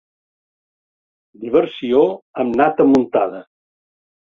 Diversió amb nata muntada.